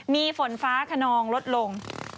มีฝนฟ้าขนองลดลง